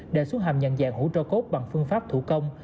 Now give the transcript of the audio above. để xuống hầm nhận dạng hũ cho cốt bằng phương pháp thủ công